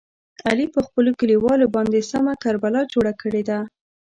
علي په خپلو کلیوالو باندې سمه کربلا جوړه کړې ده.